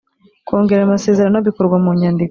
kongera ayo masezerano bikorwa mu nyandiko.